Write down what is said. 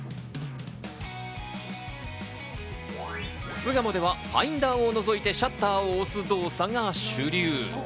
巣鴨ではファインダーを覗いてシャッターを押す動作が主流。